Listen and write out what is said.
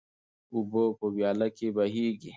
اوبه په ویاله کې بهیږي.